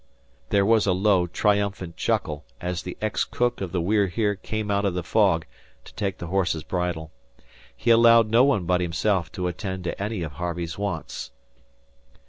There was a low, triumphant chuckle, as the ex cook of the We're Here came out of the fog to take the horse's bridle. He allowed no one but himself to attend to any of Harvey's wants.